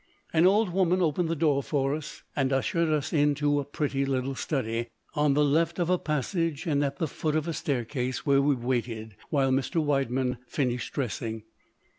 An old woman opened the door to us, and ushered us into a pretty little study, on the left of a passage and at the foot of a staircase, where we waited while Mr. Widemann finished dressing.